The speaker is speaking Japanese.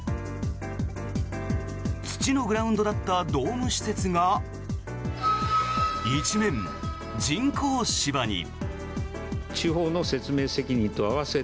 土のグラウンドだったドーム施設が一面、人工芝に。